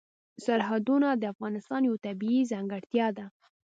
سرحدونه د افغانستان یوه طبیعي ځانګړتیا ده.